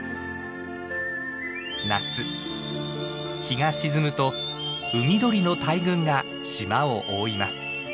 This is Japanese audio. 夏日が沈むと海鳥の大群が島を覆います。